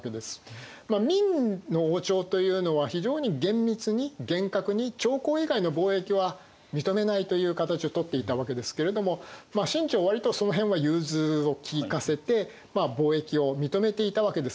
明の王朝というのは非常に厳密に厳格に朝貢以外の貿易は認めないという形を取っていたわけですけれども清朝割とその辺は融通をきかせて貿易を認めていたわけですね。